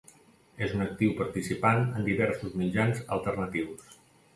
És un actiu participant en diversos mitjans alternatius.